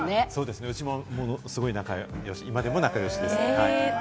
うちも仲良し、今でも仲良しです。